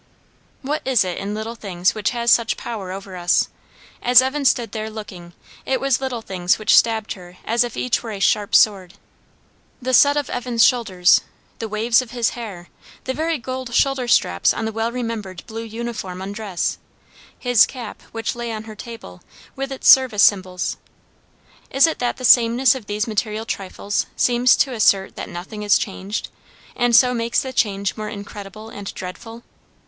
What is it in little things which has such power over us? As Diana stood there looking, it was little things which stabbed her as if each were a sharp sword. The set of Evan's shoulders, the waves of his hair, the very gold shoulder straps on the well remembered blue uniform undress; his cap which lay on her table, with its service symbols. Is it that the sameness of these material trifles seems to assert that nothing is changed, and so makes the change more incredible and dreadful?